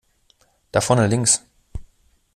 Da vorne links!